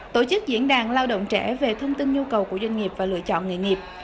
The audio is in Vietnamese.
tổ chức diễn đàn lao động trẻ về thông tin nhu cầu của doanh nghiệp và lựa chọn nghề nghiệp